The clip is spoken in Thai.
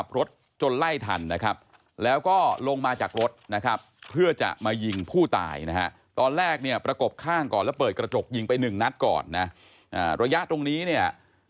ไปเนื้อนับก่อนนะระยะตรงนี้